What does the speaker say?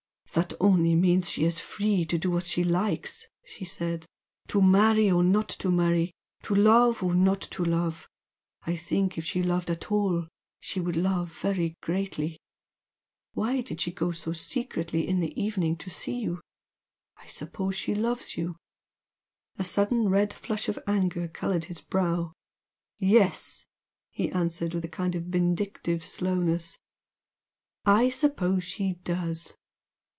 "That only means she is free to do as she likes" she said "To marry or not to marry to love or not to love. I think if she loved at all, she would love very greatly. Why did she go so secretly in the evening to see you? I suppose she loves you!" A sudden red flush of anger coloured his brow. "Yes" he answered with a kind of vindictive slowness "I suppose she does!